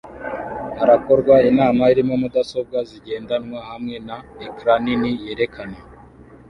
Harakorwa inama irimo mudasobwa zigendanwa hamwe na ecran nini yerekana